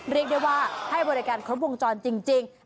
เรียกได้ว่าให้บริการครบวงจรจริง